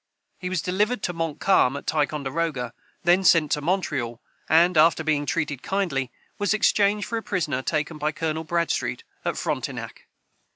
He was delivered to Montcalm at Ticonderoga, then sent to Montreal, and, after being treated kindly, was exchanged for a prisoner taken by Colonel Bradstreet at Frontenac.